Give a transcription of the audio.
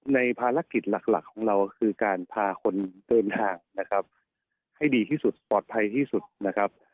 ในภารกิจหลักของเราก็คือการพาคนเดินทางนะครับให้ดีที่สุดปลอดภัยที่สุดนะครับ